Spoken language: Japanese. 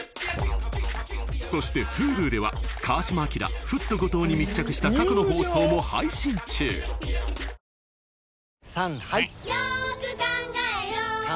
そしてＨｕｌｕでは川島明フット・後藤に密着した過去の放送も配信中洗濯の悩み？